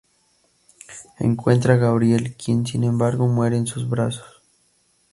Encuentra a Gabriel, quien sin embargo muere en sus brazos.